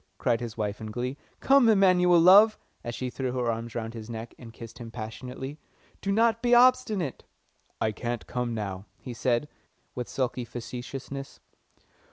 cried his wife in glee. "Come, Emanuel, love," and she threw her arms round his neck, and kissed him passionately. "Do not be obstinate." "I can't come now," he said, with sulky facetiousness.